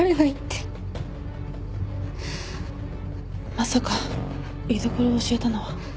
まさか居所を教えたのは。